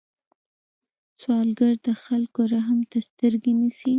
سوالګر د خلکو رحم ته سترګې نیسي